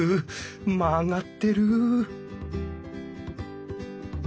曲がってる！